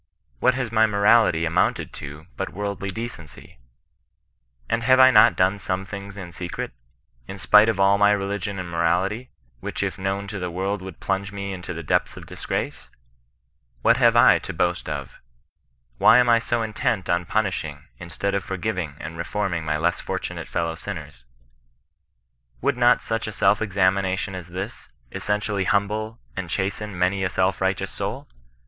What has my morality amounted to but worldly decency? And have I not done some things in secret, in spite of all my religion and morality, which if known to the world would plunge me into the depths of disgrace ? What have I to boast of? Why am I so intent on punishing instead of for giving and reforming my less fortunate fellow sinners ?"] 7 ^ CHRISTIAN KOK RESISTAKOE. Would not such a self dzamination as this, essentially humble and chasten many a self righteous soul